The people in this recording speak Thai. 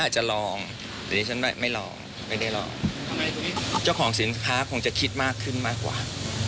เจ้าของสินค้าคงจะคิดมากขึ้นมากกว่า